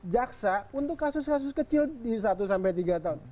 jaksa untuk kasus kasus kecil di satu sampai tiga tahun